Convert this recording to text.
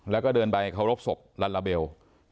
แล้วก็เดินไปเคารพศพลัลลาเบล